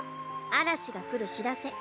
あらしがくるしらせ。